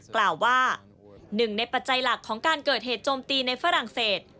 กล่าวว่าหนึ่งในปัจจัยหลักของการเกิดเหตุโจมตีในฝรั่งเศส